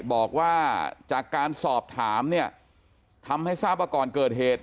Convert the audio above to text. บอกว่าจากการสอบถามเนี่ยทำให้ทราบว่าก่อนเกิดเหตุ